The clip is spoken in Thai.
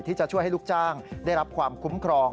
ที่จะช่วยให้ลูกจ้างได้รับความคุ้มครอง